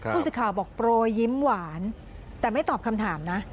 ผู้สื่อข่าวบอกโปรยยิ้มหวานแต่ไม่ตอบคำถามนะ